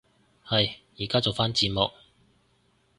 係，依家做返字幕